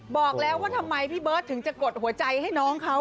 บอกแล้วว่าทำไมพี่เบิร์ตถึงจะกดหัวใจให้น้องเขา